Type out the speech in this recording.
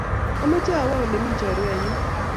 Amache awo ole mi chorwennyu.